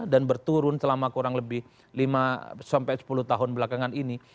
dan berturun selama kurang lebih lima sampai sepuluh tahun belakangan ini